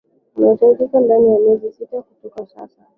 utakaofanyika ndani ya miezi sita kutoka sasa